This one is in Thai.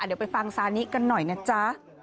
เดี๋ยวไปฟังซานิกันหน่อยนะจ๊ะ